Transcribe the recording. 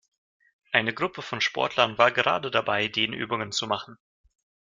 Eine Gruppe von Sportlern war gerade dabei, Dehnübungen zu machen.